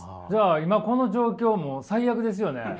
じゃあ今この状況もう最悪ですよね？